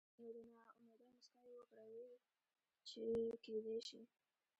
نو د نا امېدۍ مسکا يې وکړه وې چې کېدے شي